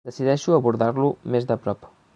Decideixo abordar-lo més de prop.